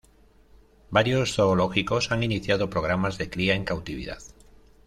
Varios zoológicos han iniciado programas de cría en cautividad.